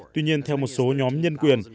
tuy nhiên theo một số nhóm nhân quyền